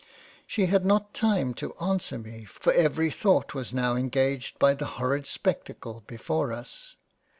She had not time to answer me, for every thought was now engaged by the horrid spectacle before us.